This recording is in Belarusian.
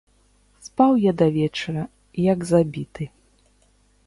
Спаў я да вечара, як забіты.